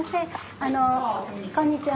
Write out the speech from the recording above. あのこんにちは。